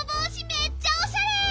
めっちゃおしゃれ！